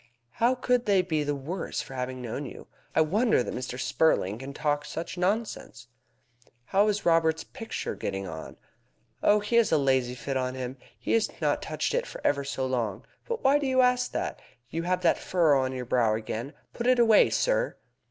How could they be the worse for having known you? I wonder that Mr. Spurling can talk such nonsense!" "How is Robert's picture getting on?" "Oh, he has a lazy fit on him. He has not touched it for ever so long. But why do you ask that? You have that furrow on your brow again. Put it away, sir!"